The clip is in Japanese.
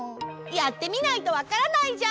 やってみないとわからないじゃん！